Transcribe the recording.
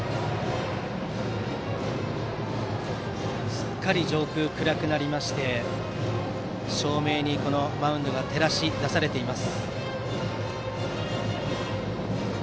すっかり上空暗くなりまして照明でマウンドが照らし出されています。